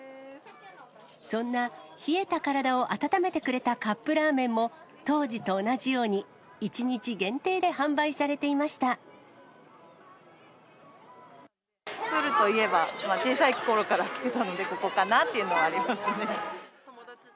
そんな、冷えた体を温めてくれたカップラーメンも、当時と同じように、プールといえば、小さいころから来てたので、ここかなっていうのありますね。